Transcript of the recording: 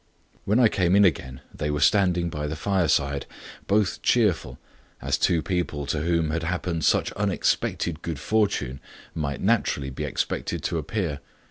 When I came in again, they were standing by the fire side both cheerful, as two people to whom had happened such unexpected good fortune might naturally be expected to appear.